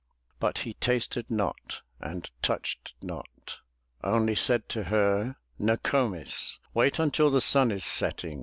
But he tasted not, and touched not. Only said to her, No ko'mis, Wait until the sun is setting.